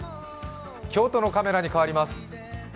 京都のカメラに変わります。